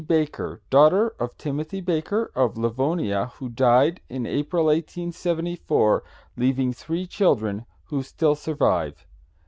Baker, daughter of Timothy Baker, of Livonia, who died in April, 1874, leaving three children, who still survive.